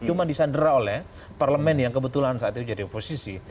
cuma disandera oleh parlemen yang kebetulan saat itu jadi oposisi